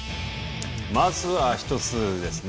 まず、１つ目ですね。